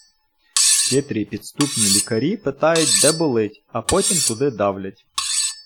Хитрі і підступні лікарі питають де болить, а потім туди давлять